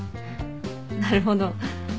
なるほど。